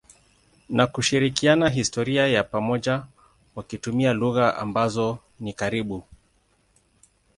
na kushirikiana historia ya pamoja wakitumia lugha ambazo ni karibu.